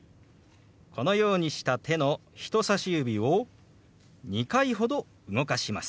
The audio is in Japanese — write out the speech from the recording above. このようにした手の人さし指を２回ほど動かします。